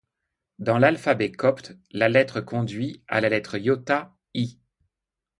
Dans l'alphabet copte, la lettre conduit à la lettre iōta, Ⲓ.